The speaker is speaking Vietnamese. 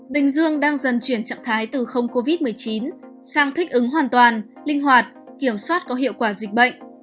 bình dương đang dần chuyển trạng thái từ không covid một mươi chín sang thích ứng hoàn toàn linh hoạt kiểm soát có hiệu quả dịch bệnh